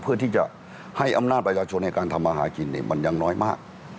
เพื่อที่จะให้อำนาจประชาชนในการทำมาหากินมันยังน้อยมาก